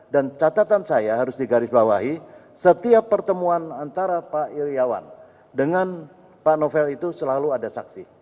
dan catatan saya harus digarisbawahi setiap pertemuan antara pak iryawan dengan pak novel itu selalu ada saksi